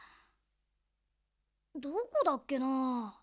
どこだっけなあ。